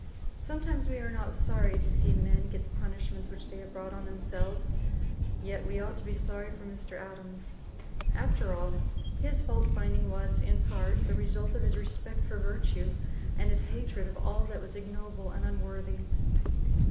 Sometimes we are not sorry to see men get the punishments which they have brought on themselves; yet we ought to be sorry for Mr. Adams. After all, his fault finding was in part the result of his respect for virtue and his hatred of all that was ignoble and unworthy.